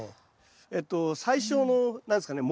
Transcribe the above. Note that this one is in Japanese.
えっと最初の何ですかね